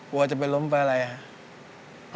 กลัวจะไปล้มไปอะไรครับ